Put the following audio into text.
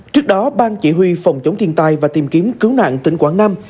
trước đó bang chỉ huy phòng chống thiên tài và tìm kiếm cứu nạn tỉnh quảng nam